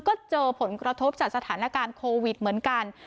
ก็เจอผลกระทบจากสถานการณ์โควิดเหมือนกัน